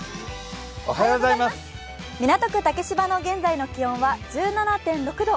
港区竹芝の現在の気温は１７．６度。